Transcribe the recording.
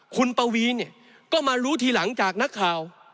คุณปวีเนี่ยก็มารู้ทีหลังจากนักข่าว